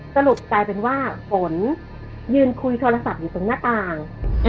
สรุปกลายเป็นว่าฝนยืนคุยโทรศัพท์อยู่ตรงหน้าต่าง